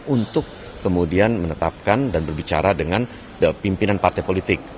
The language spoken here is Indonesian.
untuk kemudian menetapkan dan berbicara dengan pimpinan partai politik